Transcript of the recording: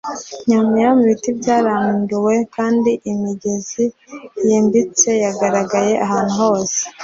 yam yam ibiti byaranduwe kandi imigezi yimbitse yagaragaye ahantu hose